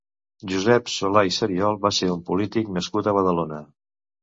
Josep Solà i Seriol va ser un polític nascut a Badalona.